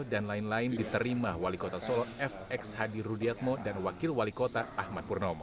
dan lain lain diterima wali kota solo fx hadi rudiatmo dan wakil wali kota ahmad purnomo